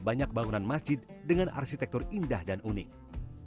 atau argumunda yang terlalu berbahasa melayu